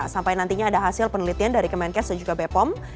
sampai nantinya ada hasil penelitian dari kemenkes dan juga bepom